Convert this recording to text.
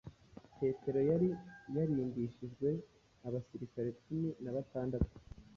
Petero yari yarindishijwe abasirikari cumi na batandatu